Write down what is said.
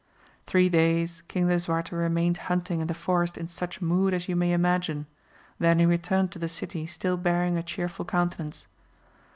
Three days King Lisuarte remained hunting in the forest in such mood as you may imagine, then he re turned to the city still bearing a cheerful countenance.